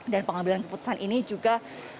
dan pengambilan keputusan ini juga